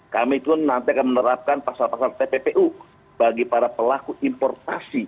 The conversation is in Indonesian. kami pun nanti akan menerapkan pasal pasal tppu bagi para pelaku importasi